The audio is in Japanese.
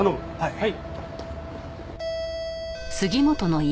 はい。